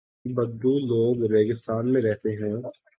بدو لوگ ریگستان میں رہتے ہیں۔